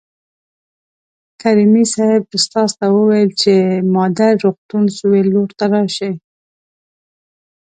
کریمي صیب استاد ته وویل چې مادر روغتون سویل لور ته راشئ.